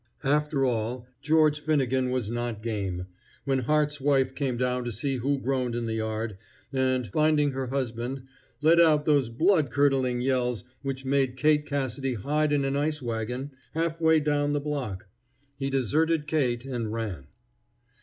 After all, George Finnegan was not game. When Hart's wife came down to see who groaned in the yard, and, finding her husband, let out those blood curdling yells which made Kate Cassidy hide in an ice wagon half way down the block, he deserted Kate and ran.